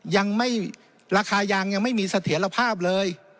ยังไม่ราคายางยังไม่มีเสถียรภาพเลย